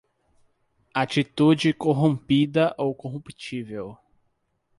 Atitude corrompida ou corruptível